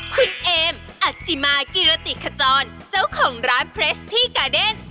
คุณเอมอัจจิมากิรติขจรเจ้าของร้านเพรสตี้กาเดน